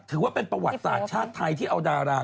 ถือว่าเป็นประวัติศาสตร์ชาติไทยที่เอาดารา